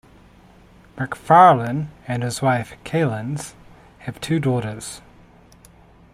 McPharlin and his wife, Kalinz, have two daughters.